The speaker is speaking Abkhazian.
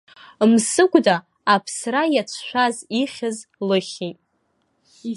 Мсыгәда аԥсра иацәшәаз ихьыз, лыхьит.